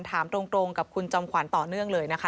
ถามตรงกับคุณจอมขวัญต่อเนื่องเลยนะคะ